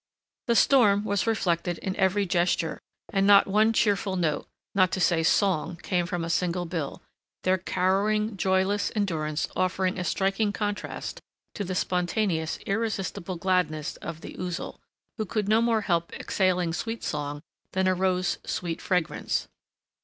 The storm was reflected in every gesture, and not one cheerful note, not to say song, came from a single bill; their cowering, joyless endurance offering a striking contrast to the spontaneous, irrepressible gladness of the Ouzel, who could no more help exhaling sweet song than a rose sweet fragrance.